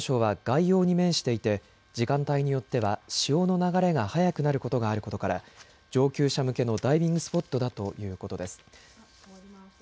ルカン礁は外洋に面していて時間帯によっては潮の流れが速くなることがあることから上級者向けのダイビングスポットだということです。